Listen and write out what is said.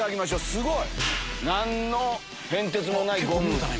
すごい！